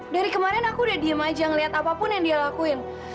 dari kemarin aku udah diem aja ngeliat apapun yang dia lakuin